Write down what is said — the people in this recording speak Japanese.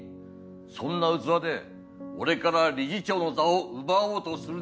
そんな器で俺から理事長の座を奪おうとするなど１００年早い！